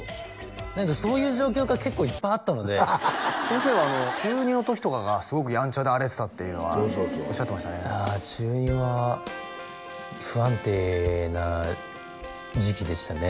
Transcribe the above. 何かそういう状況が結構いっぱいあったので先生はあの中２の時とかがすごくヤンチャで荒れてたっていうのはそうそうそうおっしゃってましたねああ中２は不安定な時期でしたね